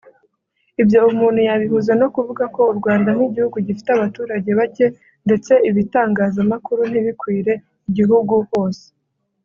Ibyo umuntu yabihuza no kuvuga ko u Rwanda nk’igihugu gifite abaturage bake ndetse ibitangazamakuru ntibikwire igihugu hose